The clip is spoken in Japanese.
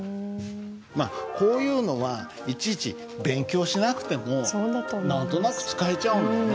まあこういうのはいちいち勉強しなくても何となく使えちゃうもんね。